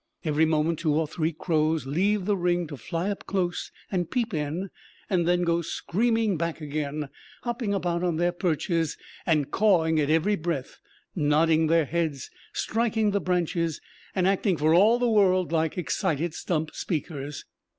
Every moment two or three crows leave the ring to fly up close and peep in, and then go screaming back again, hopping about on their perches, cawing at every breath, nodding their heads, striking the branches, and acting for all the world like excited stump speakers.